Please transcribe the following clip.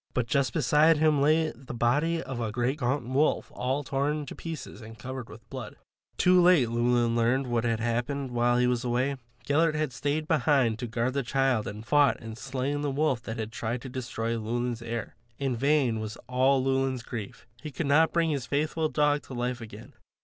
But just beside him lay the body of a great gaunt wolf all torn to pieces and covered with blood. Too late, Llewelyn learned what had happened while he was away. Gellert had stayed behind to guard the child and had fought and slain the wolf that had tried to destroy Llewelyn's heir. In vain was all Llewelyn's grief; he could not bring his faithful dog to life again.